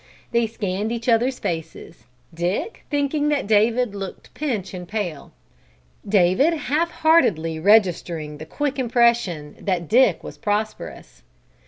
They scanned each other's faces, Dick thinking that David looked pinched and pale, David half heartedly registering the quick impression that Dick was prosperous.